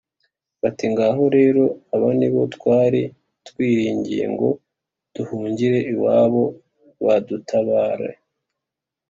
bati «Ngaho rero, aba ni bo twari twiringiye ngo duhungire iwabo badutabare,